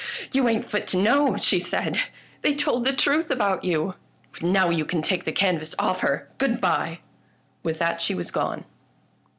" You ain't fit to know," she said ;'' they told the truth about you ! Now you can take the can vas off her. Good bye !" With that she was gone.